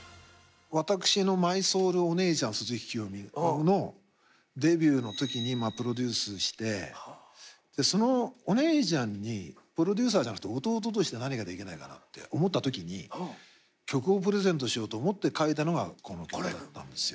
私のマイソウルお姉ちゃん鈴木聖美のデビューの時にプロデュースしてでそのお姉ちゃんにプロデューサーじゃなくて弟として何かできないかなって思った時に曲をプレゼントしようと思って書いたのがこの曲だったんですよ。